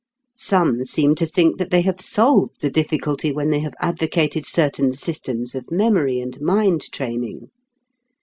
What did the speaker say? Some seem to think that they have solved the difficulty when they have advocated certain systems of memory and mind training.